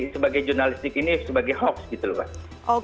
sebagai jurnalistik ini sebagai hoax gitu loh mas